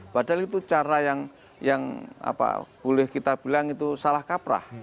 padahal itu cara yang boleh kita bilang itu salah kaprah